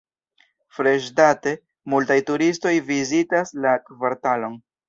Freŝdate, multaj turistoj vizitas la kvartalon.